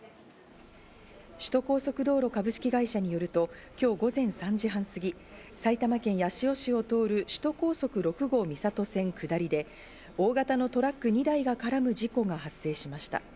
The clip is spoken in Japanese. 首都高速道路株式会社によると、今日午前３時半すぎ、埼玉県八潮市を通る首都高速６号三郷線下りで大型のトラック２台が絡む事故が発生しました。